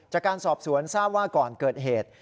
จากการสอบสวนทราบว่าก่อนเกิดเหตุ